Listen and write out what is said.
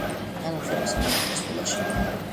განათლება სამონასტრო სკოლაში მიიღო.